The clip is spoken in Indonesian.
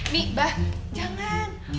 nih pak jangan